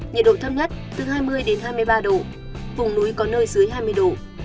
nhiệt độ thấp nhất từ hai mươi đến hai mươi ba độ vùng núi có nơi dưới hai mươi độ